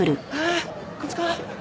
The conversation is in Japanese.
ああこっちか？